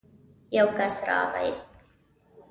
يو کس راغی.